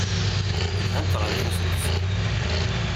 Lhant teɣrifin s lebṣel.